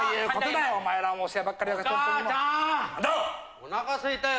おなかすいたよ。